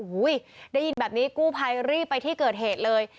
ได้ยินแบบนี้กู้ภัยรีบไปที่เกิดเหตุเลย